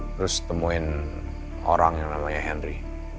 terus temuin orang yang namanya henry